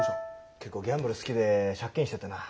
結構ギャンブル好きで借金しててな。